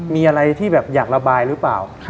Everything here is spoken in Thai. มีอะไรที่แบบอยากระบายหรือเปล่า